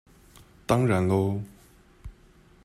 當然囉